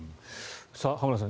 浜田さん